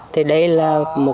thì đây là